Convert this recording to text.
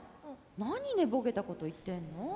なに寝ぼけたこと言ってんの？